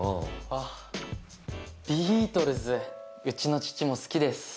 あっビートルズうちの父も好きです。